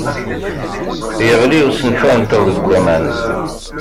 Yeɣli usenfar-nteɣ deg waman.